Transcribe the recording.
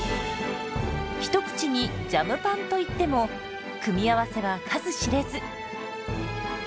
一口に「ジャムパン」といっても組み合わせは数知れず。